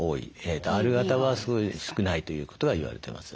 Ｒ型はすごい少ないということが言われてます。